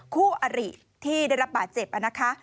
คู่อริที่ได้รับบาดเจ็บนะคะ